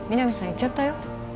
行っちゃったよ